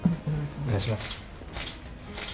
お願いします。